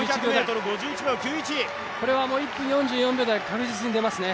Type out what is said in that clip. これは１分４４秒台、確実に出ますね。